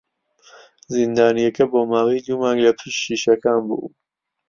زیندانییەکە بۆ ماوەی دوو مانگ لە پشت شیشەکان بوو.